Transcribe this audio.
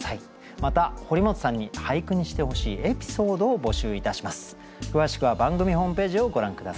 また堀本さんに俳句にしてほしいエピソードを募集いたします。